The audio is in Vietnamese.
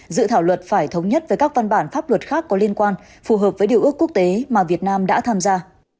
dự thảo luật phải thống nhất với các văn bản pháp luật khác có liên quan phù hợp với điều ước quốc tế mà việt nam đã tham gia